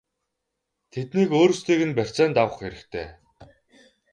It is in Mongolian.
Тэднийг өөрсдийг нь барьцаанд авах хэрэгтэй!!!